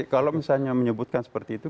kalau misalnya menyebutkan seperti itu